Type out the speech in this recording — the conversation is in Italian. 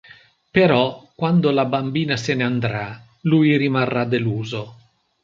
Però quando la bambina se ne andrà lui rimarrà deluso.